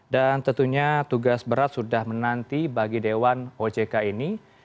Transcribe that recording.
dan tentunya tugas berat sudah menanti bagi dewan ojk ini